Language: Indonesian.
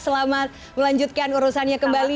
selamat melanjutkan urusannya kembali